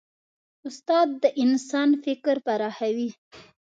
استاد د انسان فکر پراخوي.